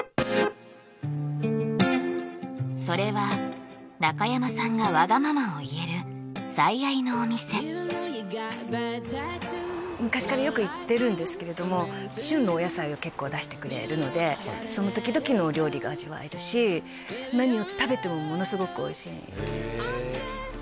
それは中山さんがわがままを言える最愛のお店昔からよく行ってるんですけれども旬のお野菜を結構出してくれるのでその時々のお料理が味わえるし何を食べてもものすごくおいしいへえ